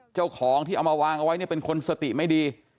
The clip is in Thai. เจ้าของที่เอามาวางไว้เป็นคนสติไม่ดี